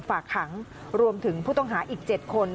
ฝากขังรวมถึงผู้ต้องหาอีก๗คน